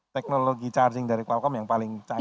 teknologi charging dari qualcomm yang paling canggih saat ini